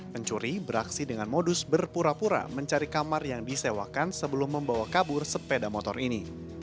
pencuri beraksi dengan modus berpura pura mencari kamar yang disewakan sebelum membawa kabur sepeda motor ini